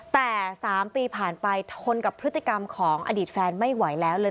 แต่๓ปีผ่านไปทนกับพฤติกรรมของอดีตแฟนไม่ไหวแล้วเลย